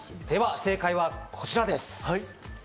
正解はこちらです。